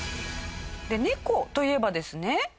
猫といえばですね